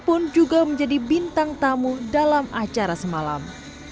pun juga menjadi bintang tamu dalam acara semalam